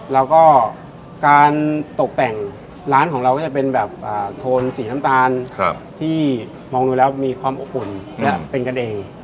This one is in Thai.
แล้วก็การตกแต่งร้านของเราก็จะเป็นแบบโทนสีน้ำตาลที่มองดูแล้วมีความอบอุ่นและเป็นกระเด